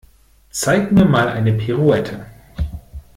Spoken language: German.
Zeig mir mal eine Pirouette.